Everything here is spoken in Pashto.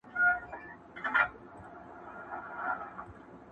که په ښار کي نور طوطیان وه دی پاچا وو!!